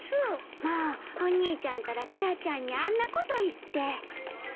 もうお兄ちゃんたらタラちゃんにあんなこと言って。